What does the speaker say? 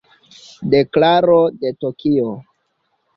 Deklaro de Tokio.